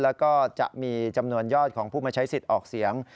แล้วก็จะมีจำนวนยอดของผู้มาใช้สิทธิ์ออกเสียง